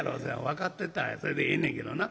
「分かってたらそれでええねんけどな。